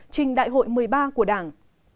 trình đại hội một mươi ba của đảng